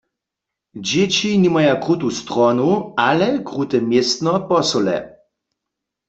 Dźěći nimaja krutu stronu, ale krute městno w Posole.